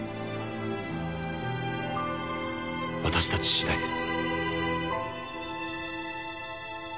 私たち次第です。